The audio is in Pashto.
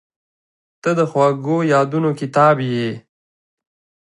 • ته د خوږو یادونو کتاب یې.